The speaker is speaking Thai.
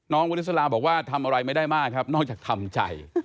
น้องวิทยาลัยบอกว่าทำอะไรไม่ได้มากครับนอกจากทำใจ